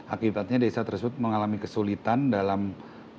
akibatnya desa tersebut mengalami kesulitan dalam mencari